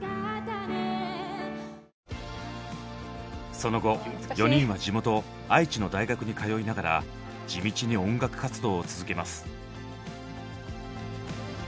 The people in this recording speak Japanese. その後４人は地元愛知の大学に通いながら地道に音楽活動を続けます。